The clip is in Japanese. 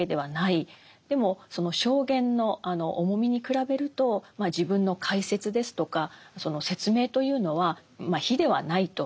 でもその証言の重みに比べると自分の解説ですとか説明というのは比ではないと。